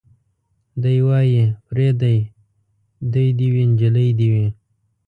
دی وايي پرېدۍ دي وي نجلۍ دي وي